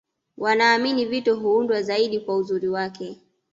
Wanaamini vito huundwa zaidi kwa uzuri wake